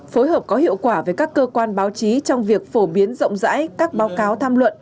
phối hợp có hiệu quả với các cơ quan báo chí trong việc phổ biến rộng rãi các báo cáo tham luận